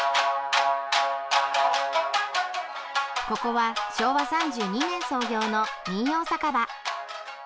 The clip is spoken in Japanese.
ここは昭和３２年創業の民謡酒場。